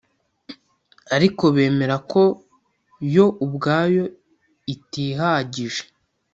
ariko bemera ko yo ubwayo itihagije.